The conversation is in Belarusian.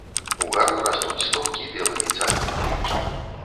Угару растуць стопкі белымі цаглінамі.